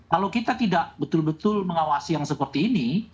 kalau kita tidak betul betul mengawasi yang seperti ini